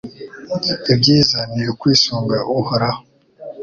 Ibyiza ni ukwisunga Uhoraho